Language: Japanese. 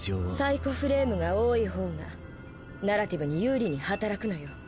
サイコフレームが多い方がナラティブに有利に働くのよ。